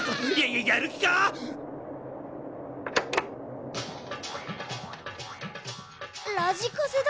ややるきか⁉ラジカセだ！